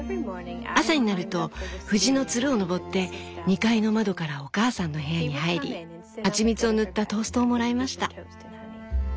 朝になると藤のつるを登って２階の窓からお母さんの部屋に入り蜂蜜を塗ったトーストをもらいました」。